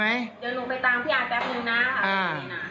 เดี๋ยวหนูไปตามพี่อายแป๊บหนึ่งนะค่ะ